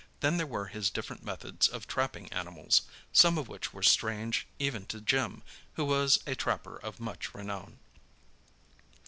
Then there were his different methods of trapping animals, some of which were strange even to Jim, who was a trapper of much renown.